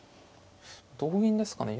同銀ですかね